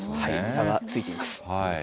差がついています。